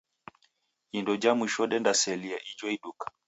Indo ja mwisho dendaselia ijo iduka.